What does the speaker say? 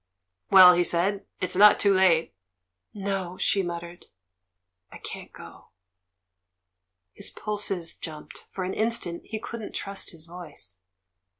"Well," he said, "it's not too late." "No," she muttered; "I can't go!" His pulses jumped; for an instant he couldn't trust his voice.